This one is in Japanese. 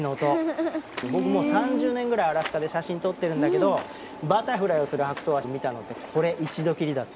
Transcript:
僕も３０年ぐらいアラスカで写真撮ってるんだけどバタフライをするハクトウワシを見たのってこれ一度きりだった。